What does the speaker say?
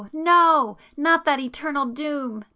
No! Not that eternal Doom!